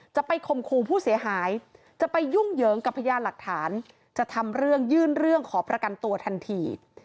คมคู่ผู้เสียหายจะไปยุ่งเหยิงกับพยานหลักฐานจะทำเรื่องยื่นเรื่องขอประกันตัวทันที